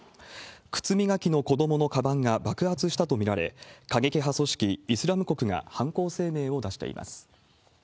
靴磨きの子どものかばんが爆発したと見られ、過激派組織イスラム国が犯行声明を出しています。